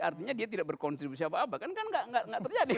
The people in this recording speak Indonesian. artinya dia tidak berkontribusi apa apa kan kan nggak terjadi